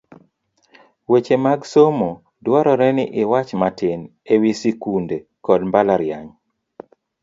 Weche mag Somo, dwarore ni iwach matin e wi skunde kod mbalariany